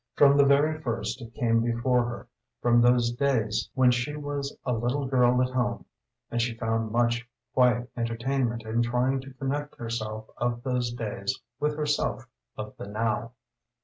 From the very first it came before her, from those days when she was a little girl at home, and she found much quiet entertainment in trying to connect herself of those days with herself of the now.